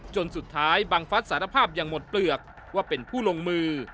จนสุดท้ายบังฟัสสารภาพอย่างหมดเปลือกว่าเป็นผู้ลงมือ